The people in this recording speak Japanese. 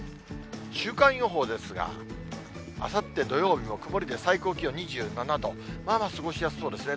週間予報ですが、あさって土曜日も曇りで、最高気温２７度、まあまあ過ごしやすそうですね。